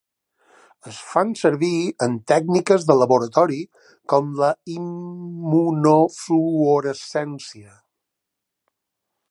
Es fan servir en tècniques de laboratori com la immunofluorescència.